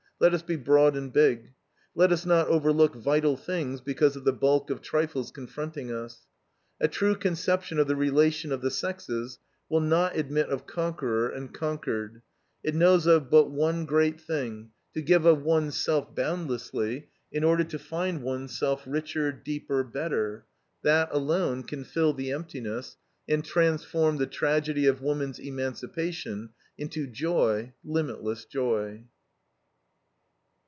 Let us be broad and big. Let us not overlook vital things because of the bulk of trifles confronting us. A true conception of the relation of the sexes will not admit of conqueror and conquered; it knows of but one great thing: to give of one's self boundlessly, in order to find one's self richer, deeper, better. That alone can fill the emptiness, and transform the tragedy of woman's emancipation into joy, limitless joy.